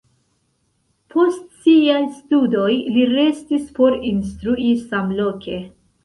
Post siaj studoj li restis por instrui samloke.